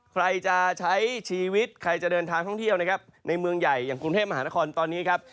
ใครจะใช้ชีวิตใครจะเดินทางท่องเที่ยวนะครับในเมืองใหญ่อย่างกรุงเทพมหานครตอนนี้ครับ